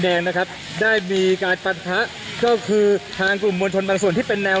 ทางกลุ่มมวลชนทะลุฟ้าทางกลุ่มมวลชนทะลุฟ้า